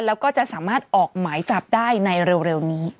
แล้วก็จะสามารถออกหมายจับได้ในเร็วนี้